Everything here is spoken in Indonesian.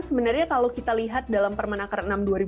sebenarnya kalau kita lihat dalam permenaker